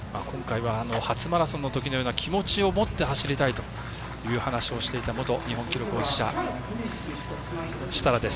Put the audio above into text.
今回は初マラソンのような気持ちを持って走りたいという話をしていた元日本記録保持者、設楽。